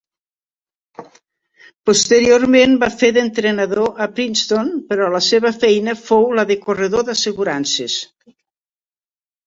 Posteriorment va fer d'entrenador a Princeton, però la seva feina fou la de corredor d'assegurances.